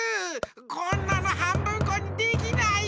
こんなのはんぶんこにできないよ！